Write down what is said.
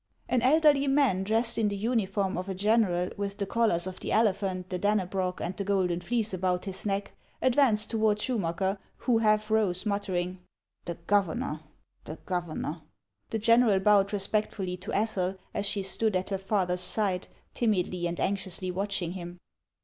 An elderly man dressed in the uniform of a general, with the collars of the Elephant, the Dannebrog, and the Golden Fleece about his neck, advanced toward Schu macker, who half rose, muttering, " The governor ! the governor !" The general bowed respectfully to Ethel, as she stood at her father's side, timidly and anxiously watching him.